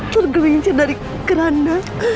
tergelincir dari keranda